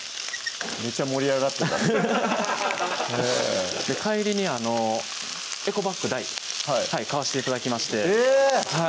めっちゃ盛り上がってた」って帰りにエコバッグ大買わして頂きましてえぇ！